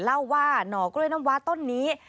เล่าว่าหน่อกล้วยน้ำว้าต้นนี้